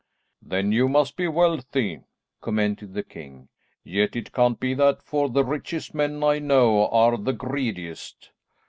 "Then you must be wealthy," commented the king. "Yet it can't be that, for the richest men I know are the greediest."